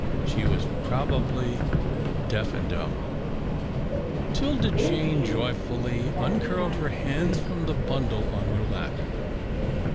She was probably deaf and dumb. 'Tilda Jane joyfully uncurled her hands from the bundle on her lap.